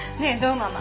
ママ。